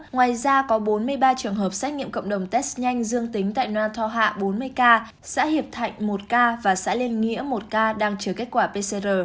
ngoài ra có bốn mươi ba trường hợp xét nghiệm cộng đồng test nhanh dương tính tại non thoa hạ bốn mươi ca xã hiệp thạnh một ca và xã liên nghĩa một ca đang chờ kết quả pcr